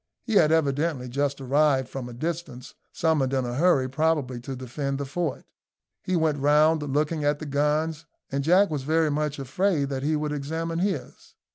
He had evidently just arrived from a distance, summoned in a hurry, probably, to defend the fort. He went round, looking at the guns, and Jack was very much afraid that he would examine his.